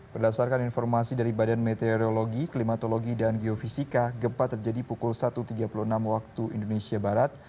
berdasarkan informasi dari badan meteorologi klimatologi dan geofisika gempa terjadi pukul satu tiga puluh enam waktu indonesia barat